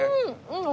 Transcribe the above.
うん！